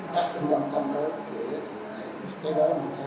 bác cũng đồng tâm tới với cái đó mình thấy rất là tình cảm